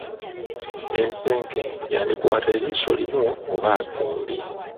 Ensenke yandikwata eriiso limu oba gombi